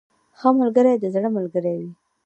• ښه ملګری د زړه ملګری وي.